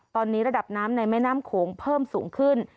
ตอนนี้ระดับน้ำในแม่น้ำโขงเพิ่มสูงขึ้น